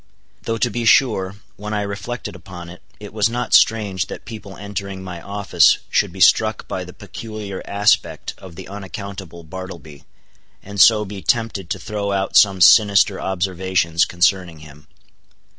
Though to be sure, when I reflected upon it, it was not strange that people entering my office should be struck by the peculiar aspect of the unaccountable Bartleby, and so be tempted to throw out some sinister observations concerning him.